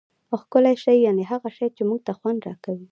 ښکلی شي یعني هغه شي، چي موږ ته خوند راکوي.